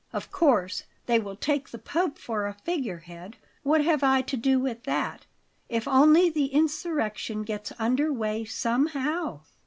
Of course they will take the Pope for a figurehead. What have I to do with that, if only the insurrection gets under way somehow?